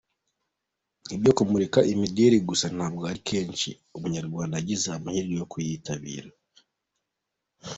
ibyo kumurika imideli gusa ntabwo ari kenshi. Umunyarwanda Yagize amahirwe yo kuyitabira.